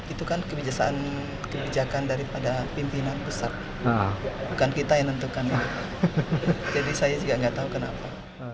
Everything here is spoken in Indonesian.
itu kan kebijakan daripada pimpinan pusat bukan kita yang tentukan jadi saya juga nggak tahu kenapa